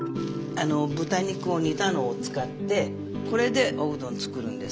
あの豚肉を煮たのを使ってこれでおうどん作るんです。